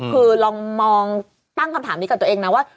คือลองมองตั้งคำถามนี้กับตัวเองนะว่า